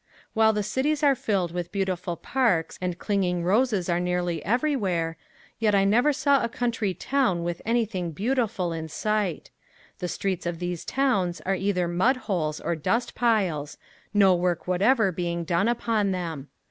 While the cities are filled with beautiful parks and clinging roses are nearly everywhere, yet I never saw a country town with any thing beautiful in sight. The streets of these towns are either mud holes or dust piles, no work whatever being done upon them.